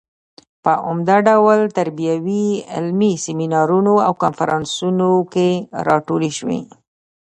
په عمده ډول تربیوي علمي سیمینارونو او کنفرانسونو کې راټولې شوې.